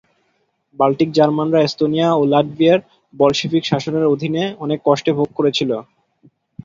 Baltic জার্মানরা Estonia ও লাটভিয়ায় বলশেভিক শাসনের অধীনে অনেক কষ্ট ভোগ করেছিল।